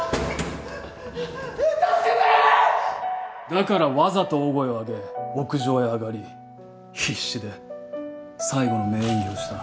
だからわざと大声を上げ屋上へ上がり必死で最後の名演技をした。